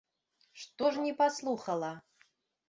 Што ж не паслухала!